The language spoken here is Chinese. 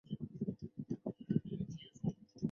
并担任提案委员会专委。